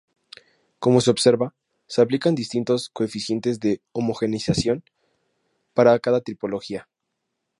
Como se observa, se aplican distintos coeficientes de homogeneización para cada tipología.